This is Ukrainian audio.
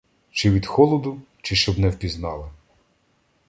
Чи від холоду, чи щоб не впізнали.